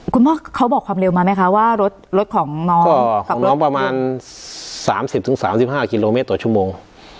คุณพ่อเขาบอกความเร็วมาไหมคะว่ารถรถของน้องของน้องประมาณสามสิบถึงสามสิบห้ากิโลเมตรต่อชั่วโมง